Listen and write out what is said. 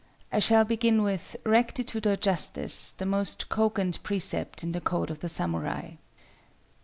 I shall begin with RECTITUDE OR JUSTICE, the most cogent precept in the code of the samurai.